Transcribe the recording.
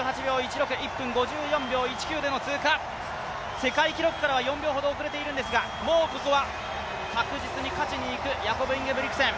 世界記録からは４秒ほど遅れているんですが、もうここは確実に勝ちにいくヤコブ・インゲブリクセン。